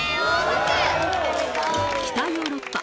北ヨーロッパ